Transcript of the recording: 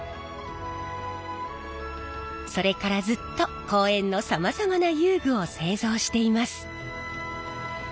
それからずっと公園のさまざまな遊具を製造しています。